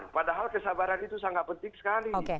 padahal kesabaran itu sangat penting sekali